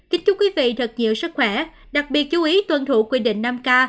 kính chúc quý vị thật sự sức khỏe đặc biệt chú ý tuân thủ quy định năm k